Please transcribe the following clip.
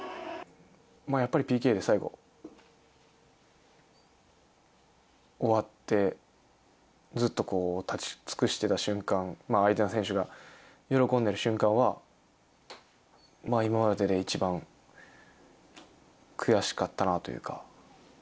やっぱりＰＫで最後終わって、ずっと立ち尽くしてた瞬間、相手の選手が喜んでる瞬間は、今までで一番悔しかったなというか。